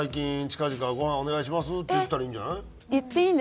近々ごはんお願いします」って言ったらいいんじゃない？